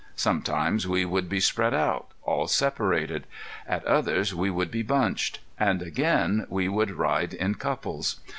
Sometimes we would be spread out, all separated; at others we would be bunched; and again we would ride in couples.